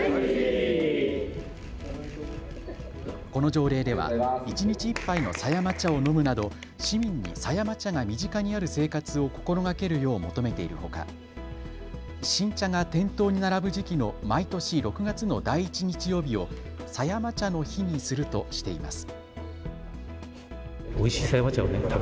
この条例では一日１杯の狭山茶を飲むなど市民に狭山茶が身近にある生活を心がけるよう求めているほか新茶が店頭に並ぶ時期の毎年６月の第１日曜日を狭山茶の日にするとしています。